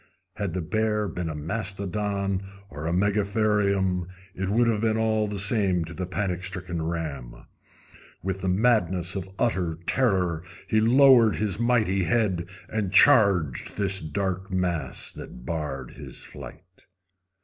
Had the bear been a mastodon or a megatherium it would have been all the same to the panic stricken ram. With the madness of utter terror he lowered his mighty head and charged this dark mass that barred his flight.